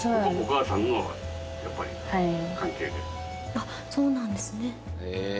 あっそうなんですね。